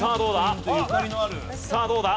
さあどうだ？